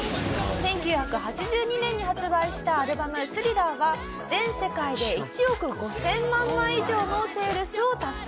１９８２年に発売したアルバム『スリラー』は全世界で１億５０００万枚以上のセールスを達成。